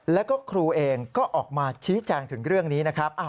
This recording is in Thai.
แล้วก็ครูเองก็ออกมาชี้แจงถึงเรื่องนี้นะครับ